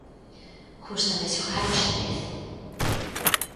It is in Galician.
Gústame xogar ó xadrez.